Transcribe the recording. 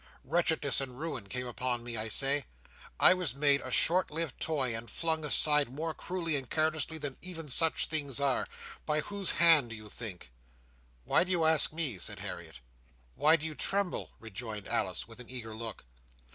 Wretchedness and ruin came on me, I say. I was made a short lived toy, and flung aside more cruelly and carelessly than even such things are. By whose hand do you think?" "Why do you ask me?" said Harriet. "Why do you tremble?" rejoined Alice, with an eager look.